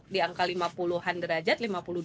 di angka lima puluh an derajat